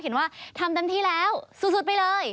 เห็นว่าทำเต็มที่แล้วสุดไปเลย